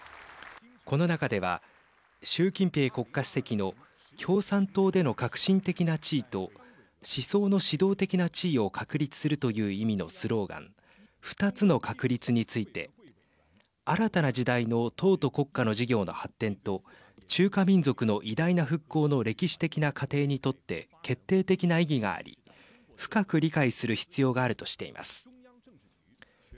この中では習近平国家主席の共産党での核心的な地位と思想の指導的な地位を確立するという意味のスローガン２つの確立について新たな時代の党と国家の事業の発展と中華民族の偉大な復興の歴史的な過程にとって決定的な意義があり深く理解する必要があるとしています。